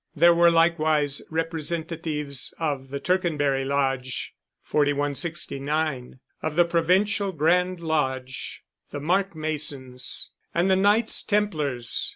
There were likewise representatives of the Tercanbury Lodge (4169), of the Provincial Grand Lodge, the Mark Masons, and the Knights Templars.